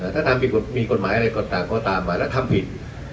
ถ้าทำผิดมีกฎหมายอะไรก็ตามก็ตามมาแล้วทำผิด